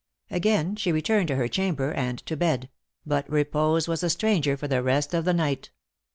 Again she returned to her chamber, and to bed; but repose was a stranger for the rest of the night.